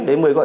để mời gọi